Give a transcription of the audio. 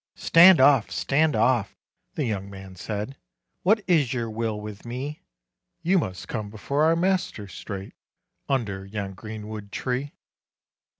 "Stand off! stand off!" the young man said, "What is your will with me?" "You must come before our master straight, Under yon greenwood tree."